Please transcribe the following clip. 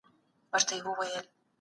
خوشحالي په آزادۍ کي نغښتې ده.